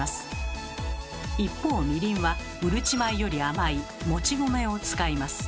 一方みりんはうるち米より甘いもち米を使います。